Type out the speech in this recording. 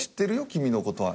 君の事は。